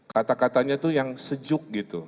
kata katanya itu yang sejuk gitu